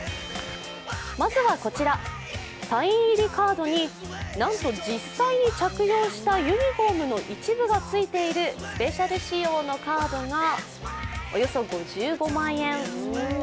まずはこちら、サイン入りカードになんと実際に着用したユニフォームの一部がついているスペシャル仕様のカードがおよそ５５万円。